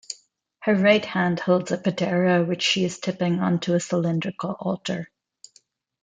Her right hand holds a patera which she is tipping onto a cylindrical altar.